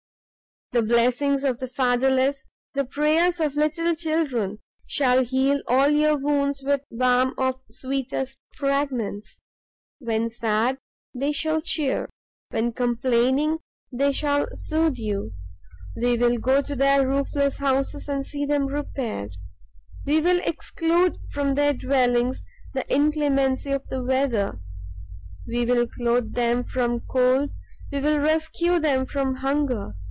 The blessings of the fatherless, the prayers of little children, shall heal all your wounds with balm of sweetest fragrance. When sad, they shall cheer, when complaining, they shall soothe you. We will go to their roofless houses, and see them repaired; we will exclude from their dwellings the inclemency of the weather; we will clothe them from cold, we will rescue them from hunger.